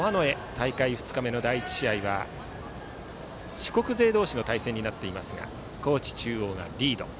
大会２日目の第１試合は四国勢同士の対戦になっていますが高知中央がリード。